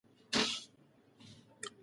په ژمي کې ګرمې جامې اغوندئ.